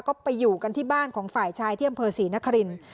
ก็ไปอยู่กันที่บ้านของฝ่ายชายที่อำเภอศรีนครินทร์